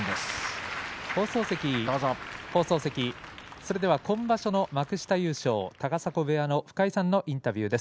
それでは今場所の幕下優勝高砂部屋の深井さんのインタビューです。